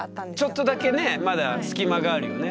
ちょっとだけねまだ隙間があるよね。